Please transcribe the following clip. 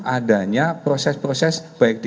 adanya proses proses baik di